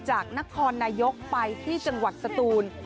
จากนครนายกไปที่จังหวัดสตูน